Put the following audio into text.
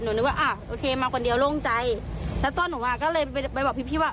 นึกว่าอ่ะโอเคมาคนเดียวโล่งใจแล้วตัวหนูอ่ะก็เลยไปบอกพี่พี่ว่า